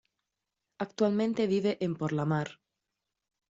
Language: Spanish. Actualmente vive en Porlamar.